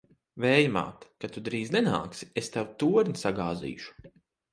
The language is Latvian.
Vēja māt! Kad tu drīzi nenāksi, es tavu torni sagāzīšu!